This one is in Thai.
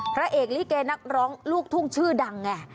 พระเอกลิเกนักร้องลูกทุ่งชื่อดังไง